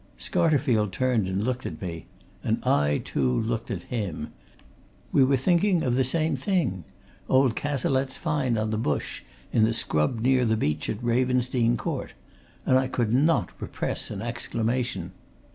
Scarterfield turned and looked at me. And I, too, looked at him. We were thinking of the same thing old Cazalette's find on the bush in the scrub near the beach at Ravensdene Court. And I could not repress an exclamation.